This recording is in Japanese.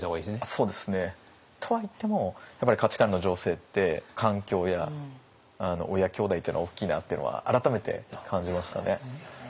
そうですね。とは言ってもやっぱり価値観の醸成って環境や親兄弟っていうのは大きいなっていうのは改めて感じましたね。